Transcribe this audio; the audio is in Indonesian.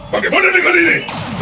bagaimana dengan ini